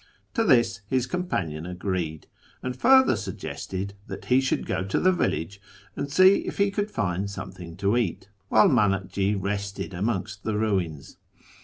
To this his com panion agreed, and further suggested that he should go to the Ivillage and see if he could find something to eat, while iManakji rested amongst the ruins.